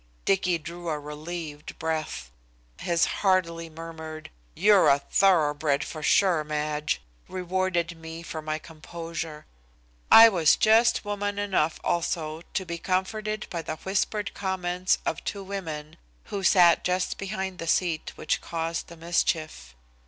Dicky drew a relieved breath. His heartily murmured, "You're a thoroughbred for sure, Madge," rewarded me for my composure. I was just woman enough also to be comforted by the whispered comments of two women who sat just behind the seat which caused the mischief.